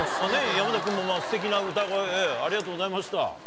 山崎君もすてきな歌声ありがとうございました。